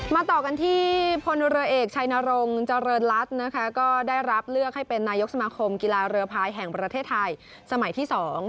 ต่อกันที่พลเรือเอกชัยนรงเจริญรัฐนะคะก็ได้รับเลือกให้เป็นนายกสมาคมกีฬาเรือพายแห่งประเทศไทยสมัยที่๒